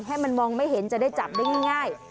ให้มันมองไม่เห็นจะได้จับได้ง่าย